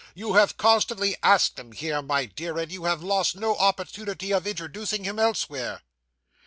You have constantly asked him here, my dear, and you have lost no opportunity of introducing him elsewhere.